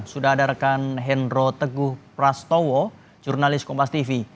sudah ada rekan henro teguh prastowo jurnalis kompastv